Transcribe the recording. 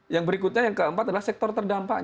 yang berikutnya yang keempat adalah sektor terdampak